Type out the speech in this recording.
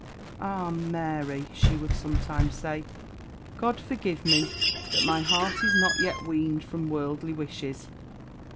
"Ah! Mary," she would sometimes say, "God forgive me! but my heart is not yet weaned from worldly wishes.